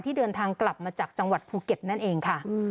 เดินทางกลับมาจากจังหวัดภูเก็ตนั่นเองค่ะ